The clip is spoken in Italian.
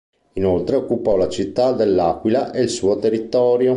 Inoltre occupò la città dell'Aquila e il suo territorio.